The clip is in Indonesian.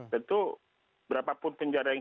tentu berapapun penjara yang